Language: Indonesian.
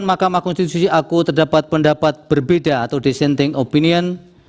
mahkamah konstitusi aku terdapat pendapat berbeda atau dissenting opinion